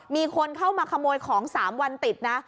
มีคนเข้ามาขโมยของ๓วันติดนะ